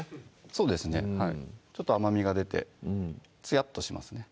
そうですねはいちょっと甘みが出てつやっとしますね